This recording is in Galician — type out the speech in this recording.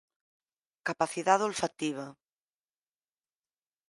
Capacidade olfactiva.